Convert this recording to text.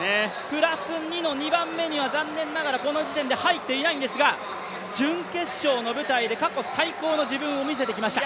プラス２の２番目には残念ながら、この時点では入っていないんですが準決勝の舞台で過去最高の自分を見せてきました。